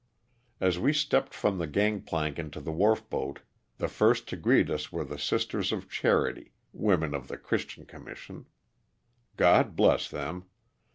As we stepped from the gang plank into the wharf boat the first to greet us were the Sisters of Charity (women of the Christian Commission). God bless them!